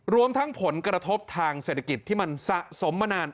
รวมทั้งผลกระทบทางเศรษฐกิจที่มันสะสมมานาน